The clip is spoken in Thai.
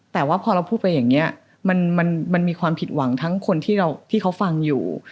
แต่ว่าพอเราพูดไปอย่างนี้มันมีความผิดหวังทั้งคนที่เขาฟังอยู่